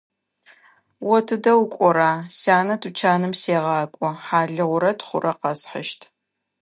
О тыдэ укӀора? – Сянэ тучаным сегъакӀо; хьалыгъурэ тхъурэ къэсхьыщт.